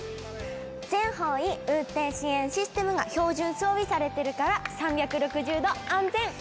全方位運転支援システムが標準装備されているから、３６０度安全。